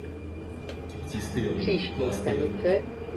Кіпцісты ён, ікласты ён!